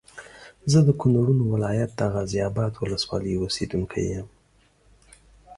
زه د کونړونو ولايت د غازي اباد ولسوالۍ اوسېدونکی یم